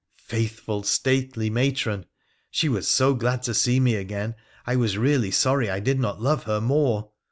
Faithful, stately matron ! She was so glad to see me again, I was really sorry I did not love her more.